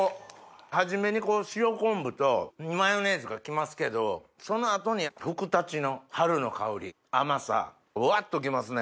初めに塩昆布とマヨネーズがきますけどその後にふくたちの春の香り甘さうわっときますね。